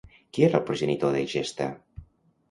Qui era el progenitor d'Egesta?